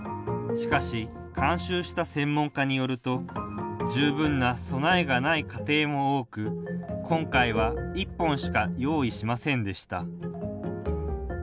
しかし、監修した専門家によると十分な備えがない家庭も多く今回は、１本しか用意しませんでした。